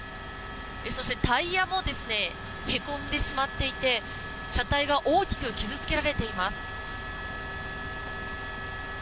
そしてタイヤもへこんでしまっていて車体が大きく傷つけられています。